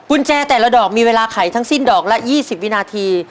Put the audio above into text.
กุญแจแต่ละดอกมีเวลาไขทั้งสิ้นดอกละ๒๐วินาที